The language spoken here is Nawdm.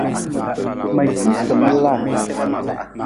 Ma ci sa ma la.